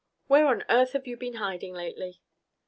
Where on earth have you been hiding lately?"